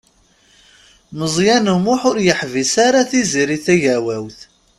Meẓyan U Muḥ ur yeḥbis ara Tiziri Tagawawt.